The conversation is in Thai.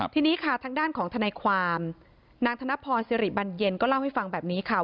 ทีนี้ค่ะทางด้านของทนายความนางธนพรสิริบันเย็นก็เล่าให้ฟังแบบนี้ค่ะ